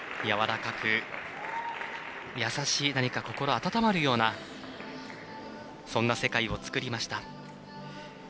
やわらかく、優しい何か心温まるようなそんな世界を作りました。